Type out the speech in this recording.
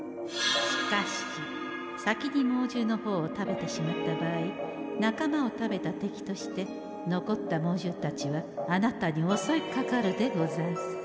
しかし先に猛獣のほうを食べてしまった場合仲間を食べた敵として残った猛獣たちはあなたにおそいかかるでござんす。